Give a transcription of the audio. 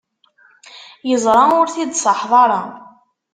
Yeẓra ur t-id-ṣaḥeḍ ara.